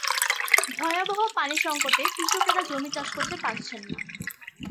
ভয়াবহ পানি সংকটে কৃষকেরা জমি চাষ করতে পারছেন না।